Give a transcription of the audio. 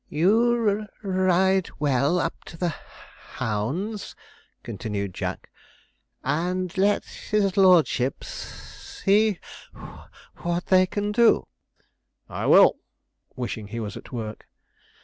'You r r ride well up to the h h hounds,' continued Jack; 'and let his lordship s s see w w what they can do.' 'I will,' said Sponge, wishing he was at work.